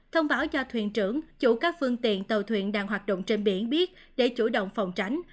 thông báo cho thuyền trưởng chủ các phương tiện tàu thuyền đang hoạt động trên biển biết để chủ động phòng tránh